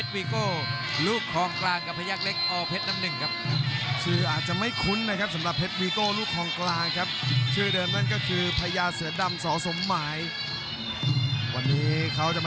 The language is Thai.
พยักเล็กออเพชรน้ำหนึ่งครับในรูปริการ๖๒๕